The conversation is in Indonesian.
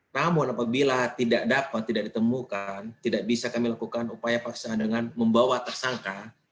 namun apabila tidak dapat tidak ditemukan tidak bisa kami lakukan upaya paksa dengan membawa tersangka